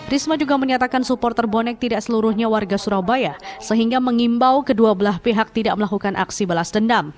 risma juga menyatakan supporter bonek tidak seluruhnya warga surabaya sehingga mengimbau kedua belah pihak tidak melakukan aksi balas dendam